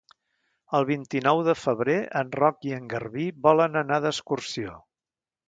El vint-i-nou de febrer en Roc i en Garbí volen anar d'excursió.